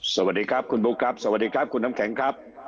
สวัสดีครับคุณบุ๊คครับสวัสดีครับคุณน้ำแข็งครับ